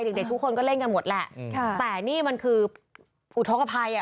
เด็กเด็กทุกคนก็เล่นกันหมดแหละค่ะแต่นี่มันคืออุทธกภัยอ่ะ